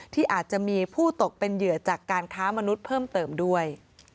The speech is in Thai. ที่อาจจะมีผู้ตกเป็นเหยื่อจากการค้ามนุษย์เพิ่มเติมด้วย